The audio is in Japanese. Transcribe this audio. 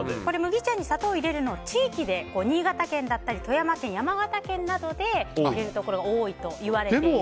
麦茶に砂糖を入れるのは新潟県、富山県山形県などで入れるところが多いといわれている。